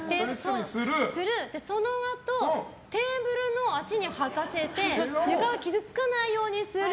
そのあとテーブルの脚にはかせて床が傷つかないようにする。